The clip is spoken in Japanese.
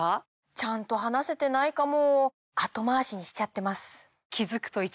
ちゃんと話せてないかも。